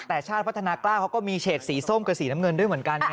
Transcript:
แต่ชาติพัฒนากล้าเขาก็มีเฉดสีส้มกับสีน้ำเงินด้วยเหมือนกัน